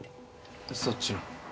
そっちの。